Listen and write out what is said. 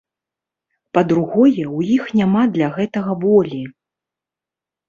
Па-другое, у іх няма для гэтага волі.